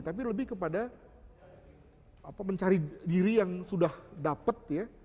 tapi lebih kepada mencari diri yang sudah dapat ya